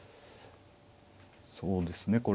そうですね